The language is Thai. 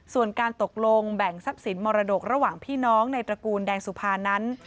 ส่วนการตกลงแบ่งทรัพย์สินมรดกระหว่างพี่น้องในตระกูลแดงสุภานั้น